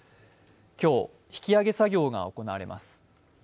今日、引き揚げ作業が行われます。